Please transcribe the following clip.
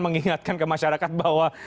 mengingatkan ke masyarakat bahwa